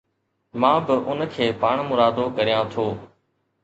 مان به اُن کي پاڻمرادو ڪريان ٿو.